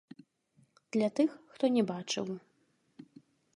Для тых, хто не бачыў.